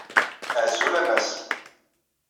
Azul a mass.